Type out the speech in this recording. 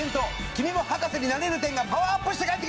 「君も博士になれる展」がパワーアップして帰ってきます。